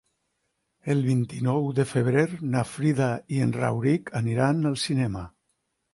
El vint-i-nou de febrer na Frida i en Rauric aniran al cinema.